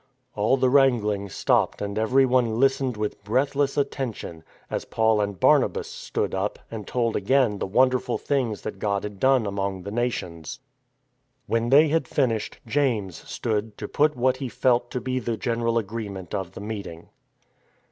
All the wrangling stopped and everyone listened with breathless attention, as Paul and Barnabas stood up and told again the wonderful things that God had done among the Nations. When they had finished, James stood to put what he felt to be the general agreement of the meeting.